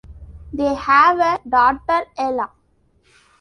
They have a daughter, Ella.